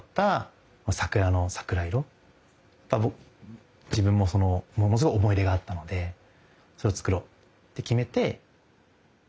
やっぱ自分もものすごく思い入れがあったのでそれを作ろうって決めて。